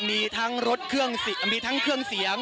มีทั้งเครื่องเสียง